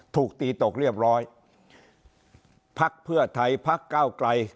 ถูกตีตกเรียบร้อยพักเพื่อไทยพักเก้าไกล